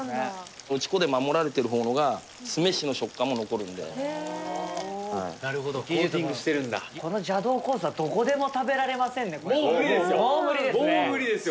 打ち粉で守られてるほうのがへえなるほどコーティングしてるんだこの邪道コースはどこでも食べられませんねもう無理ですよ